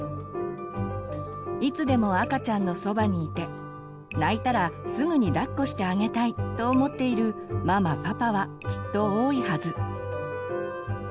いつでも赤ちゃんのそばにいて泣いたらすぐにだっこしてあげたいと思っているママパパはきっと多いはず。